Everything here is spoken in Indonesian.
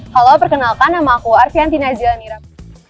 halo perkenalkan nama aku arfi antinazil anirap